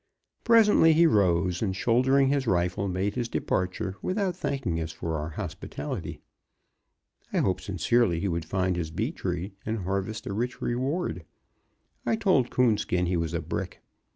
Presently he rose, and shouldering his rifle, made his departure without thanking us for our hospitality. I hoped sincerely he would find his bee tree, and harvest a rich reward. I told Coonskin he was a brick.